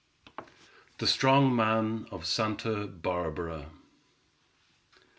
THE STRONG MAN OF SANTA BARBARA.